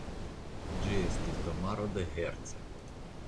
Ĝi estis domaro de Herce.